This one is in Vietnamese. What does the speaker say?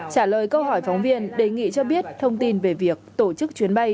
trả lời câu hỏi phóng viên đề nghị cho biết thông tin về việc tổ chức chuyến bay